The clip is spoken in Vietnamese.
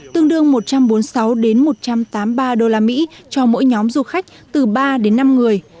tương đương một trăm bốn mươi sáu đến một trăm tám mươi ba đô la mỹ cho mỗi nhóm du khách từ ba đến năm người